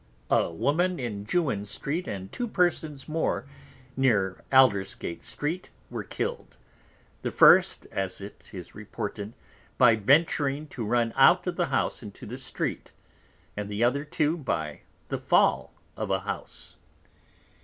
A Woman in Jewin Street, and Two Persons more near Aldersgate Street, were kill'd; the first, as it is reported, by venturing to run out of the House into the Street; and the other Two by the Fall of a House.